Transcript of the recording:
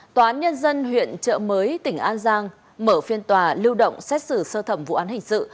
tòa án nhân dân huyện trợ mới tỉnh an giang mở phiên tòa lưu động xét xử sơ thẩm vụ án hình sự